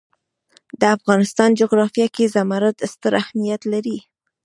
د افغانستان جغرافیه کې زمرد ستر اهمیت لري.